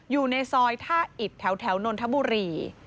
อยู่ในซอยท่าอิดแถวนนทบุรี